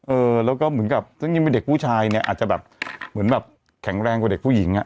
เออแล้วก็เหมือนกับซึ่งยังเป็นเด็กผู้ชายเนี่ยอาจจะแบบเหมือนแบบแข็งแรงกว่าเด็กผู้หญิงอ่ะ